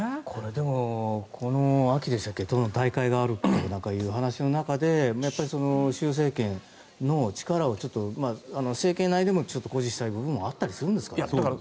でも、この秋でしたっけ党の大会があるという話の中で習政権の力を政権内でも誇示したいというのもあったりするんですか。